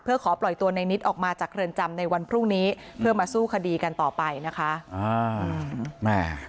เพื่อขอปล่อยตัวในนิดออกมาจากเรือนจำในวันพรุ่งนี้เพื่อมาสู้คดีกันต่อไปนะคะ